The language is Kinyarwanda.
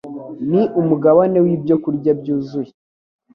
Ni Umugabane w’Ibyokurya Byuzuye